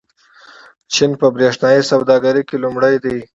چین په برېښنايي سوداګرۍ کې لومړی دی.